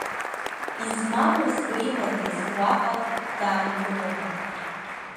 Измамыз дреиуандаз, уаҟа даангыларын.